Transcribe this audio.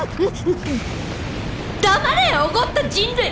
黙れおごった人類！